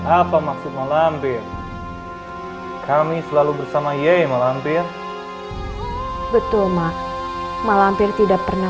apa maksud malampir kami selalu bersama ye malampir betul mah malampir tidak pernah